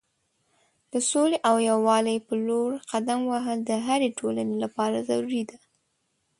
د سولې او یووالي په لور قدم وهل د هرې ټولنې لپاره ضروری دی.